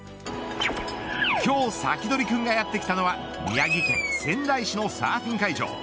今日サキドリくんがやってきたのは宮城県仙台市のサーフィン会場。